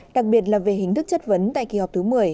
đặc biệt là về hình thức chất vấn tại kỳ họp thứ một mươi